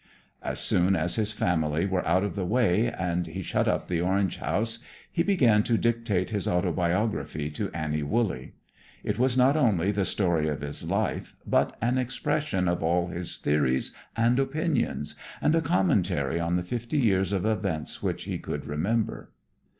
As soon as his family were out of the way and he shut up the Orange house, he began to dictate his autobiography to Annie Wooley. It was not only the story of his life, but an expression of all his theories and opinions, and a commentary on the fifty years of events which he could remember.